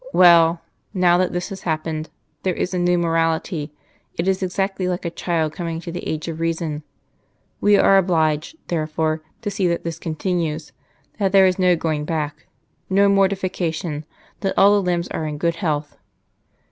"Well, now that this has happened, there is a new morality; it is exactly like a child coming to the age of reason. We are obliged, therefore, to see that this continues that there is no going back no mortification that all the limbs are in good health.